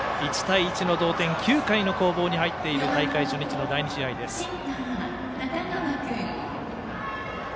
１対１の同点９回の攻防に入っている大会初日の第２試合です。